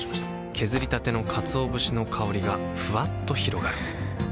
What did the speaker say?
削りたてのかつお節の香りがふわっと広がるはぁ。